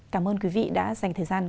cảm ơn quý vị đã dành thời gian